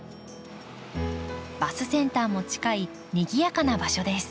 バスセンターも近いにぎやかな場所です。